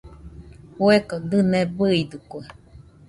Fueko dɨne bɨidɨkue.